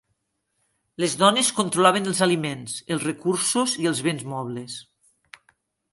Les dones controlaven els aliments, els recursos i els béns mobles.